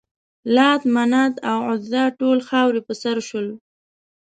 لات، منات او عزا ټول خاورې په سر شول.